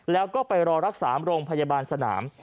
แล้วก็ไปรอรักษาโรงพยาบาลสนาม